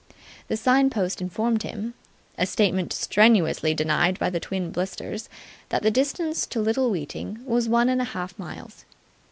The sign post informed him a statement strenuously denied by the twin blisters that the distance to Little Weeting was one and a half miles.